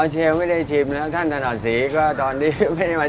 อ๋อเชลวไม่ได้ชิมนะครับท่านถนัดศรีก็ตอนนี้ไม่ได้มาชิมนะครับ